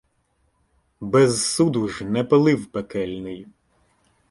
Без суду ж не палив пекельний